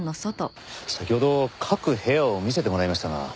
先ほど各部屋を見せてもらいましたが。